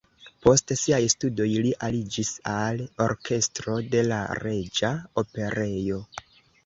Post siaj studoj li aliĝis al orkestro de la Reĝa Operejo.